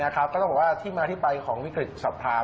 ก็ต้องบอกว่าที่มาที่ไปของวิกฤตศรัทธา